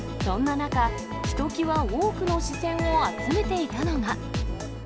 そんな中、ひときわ多くの視線を集めていたのが。